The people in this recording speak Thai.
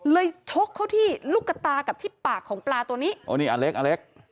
ชกเข้าที่ลูกกระตากับที่ปากของปลาตัวนี้โอ้นี่อเล็กอเล็ก